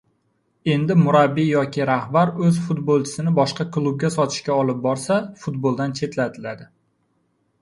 Endi murabbiy yoki rahbar oʻz futbolchisini boshqa klubga sotishga olib borsa, futboldan chetlatiladi.